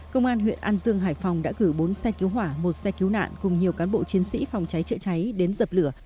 công an huyện an dương hải phòng đã gửi bốn xe cứu hỏa một xe cứu nạn cùng nhiều cán bộ chiến sĩ phòng cháy chữa cháy đến dập lửa